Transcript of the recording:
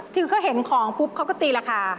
คือเขาเห็นของปุ๊บเขาก็ตีราคา